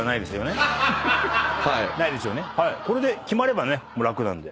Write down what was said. これで決まればね楽なんで。